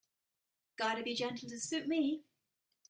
Gotta be gentle to suit me.